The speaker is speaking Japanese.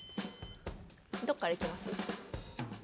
どっからいきます？